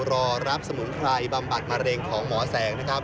รอรับสมุนไพรบำบัดมะเร็งของหมอแสงนะครับ